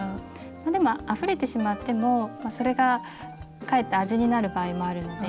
でもあふれてしまってもそれがかえって味になる場合もあるので。